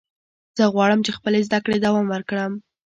زه غواړم چې خپلې زده کړې دوام ورکړم.